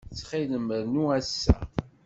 Ttxil-m, rnu ass-a.